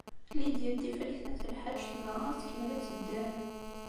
Lidya n Tifrit n At Lḥaǧ tebɣa ad tkemmel ad tedder.